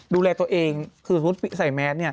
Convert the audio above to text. ดูแลตัวเองคือสมมุติใส่แมสเนี่ย